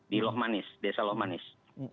di loh manis desa loh manis